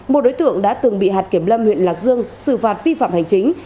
một đối tượng đã từng bị hạt kiểm lâm huyện lạc dương xử phạt vi phạm hành chính